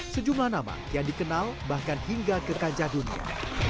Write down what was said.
sejumlah nama kian dikenal bahkan hingga ke kancah dunia